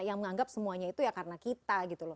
yang menganggap itu semuanya karena kita gitu loh